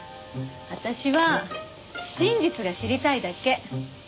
私は真実が知りたいだけ。